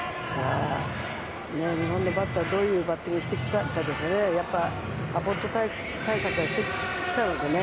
日本のバッターはどんなバッティングをしてきたかですよね。